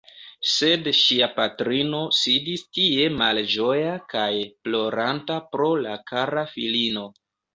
Sed ŝia patrino sidis tie malĝoja kaj ploranta pro la kara filino.